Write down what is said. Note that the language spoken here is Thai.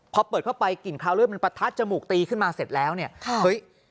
พอเปิดเข้าไปกลิ่นคราวเลือดมันประทัดจมูกตีขึ้นมาเสร็จแล้วเนี่ยค่ะเฮ้ย